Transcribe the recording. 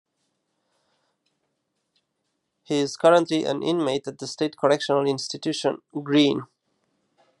He is currently an inmate at the State Correctional Institution - Greene.